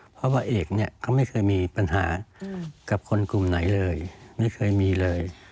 เพราะว่าเอกเนี่ยก็ไม่เคยมีปัญหากับคนกลุ่มไหนเลยไม่เคยมีเลย